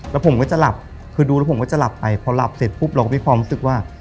แล้วผมก็จะหลับคือดูแล้วผมก็จะหลับไปพอหลับเสร็จปุ๊บเราก็มีความรู้สึกว่า